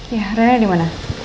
iya rena dimana